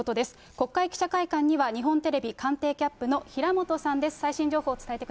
国会記者会館には、日本テレビ官邸キャップの平本さんです。